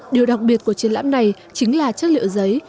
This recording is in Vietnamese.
điều đặc biệt của triển lãm này chính là chất liệu giấy